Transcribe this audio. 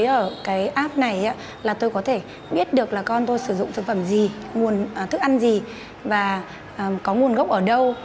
ở cái app này là tôi có thể biết được là con tôi sử dụng thực phẩm gì nguồn thức ăn gì và có nguồn gốc ở đâu